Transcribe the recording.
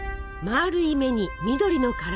まるい目に緑の体。